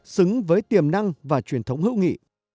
xứng với tiềm năng và truyền thống hữu nghị